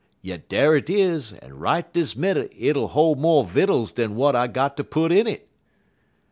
Yet dar 't is, en right dis minnit hit'll hol' mo' vittles dan w'at I got ter put in it.